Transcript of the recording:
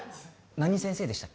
何先生でしたっけ？